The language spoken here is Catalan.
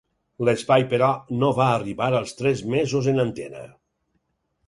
L'espai, però, no va arribar als tres mesos en antena.